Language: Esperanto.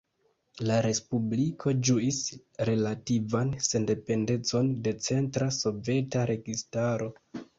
La respubliko ĝuis relativan sendependecon de centra Soveta registaro.